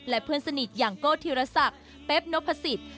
และเพื่อนสนิทอย่างโก้ธีรศักดิ์เป๊บนพสิทธิ์